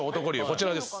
こちらです。